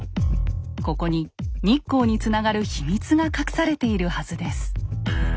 ここに日光につながる秘密が隠されているはずです。